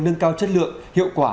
nâng cao chất lượng hiệu quả